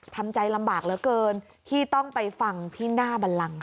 ทำใจลำบากเหลือเกินที่ต้องไปฟังที่หน้าบันลังค่ะ